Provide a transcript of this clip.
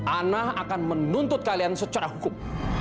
ana akan menuntut kalian secara hukum